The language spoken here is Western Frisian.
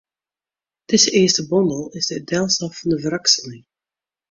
Dizze earste bondel is de delslach fan de wrakseling.